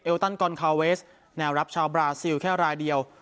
ตันกอนคาเวสแนวรับชาวบราซิลแค่รายเดียว